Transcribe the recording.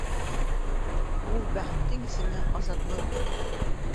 Ул бәхеттең исеме — азатлыҡ.